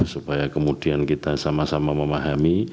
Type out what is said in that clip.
supaya kemudian kita sama sama memahami